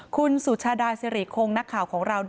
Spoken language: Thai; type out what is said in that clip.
คุณสุชาดาสิริคงนักข่าวของเรา